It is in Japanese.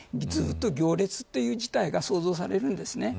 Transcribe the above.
ずっと行列という事態が想像されるんです。